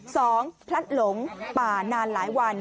พลัดหลงป่านานหลายวัน